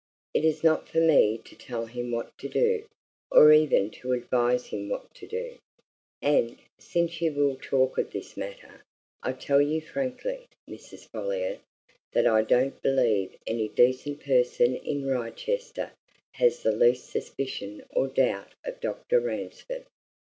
It is not for me to tell him what to do, or even to advise him what to do. And since you will talk of this matter, I tell you frankly, Mrs. Folliot, that I don't believe any decent person in Wrychester has the least suspicion or doubt of Dr. Ransford.